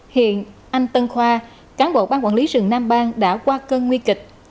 hiện anh tân khoa cán bộ ban quản lý rừng nam bang đã qua cơn nguy kịch